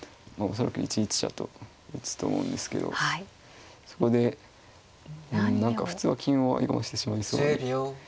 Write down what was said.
恐らく１一飛車と打つと思うんですけどそこで何か普通は金を合駒してしまいそうに見えるんですが。